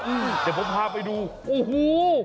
เดี๋ยวผมพาไปดูโอ้โห